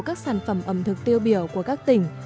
các sản phẩm ẩm thực tiêu biểu của các tỉnh